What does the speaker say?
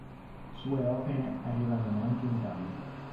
Sue opere arrivarono anche in Italia.